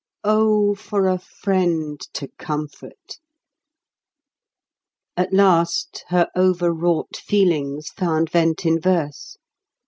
Oh, for a friend to comfort! At last her overwrought feelings found vent in verse.